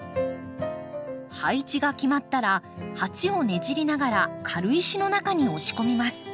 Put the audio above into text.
配置が決まったら鉢をねじりながら軽石の中に押し込みます。